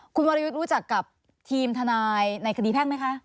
คุณวรยุทธ์รู้จักกับทีมทนายในคดีแพ่งไหมคะ